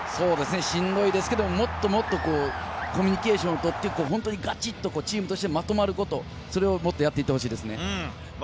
しんどいですけれど、ももっともっとコミュニケーションをとって、本当にガチっとチームとしてまとまること、それをもっと、やっていってほしいですね。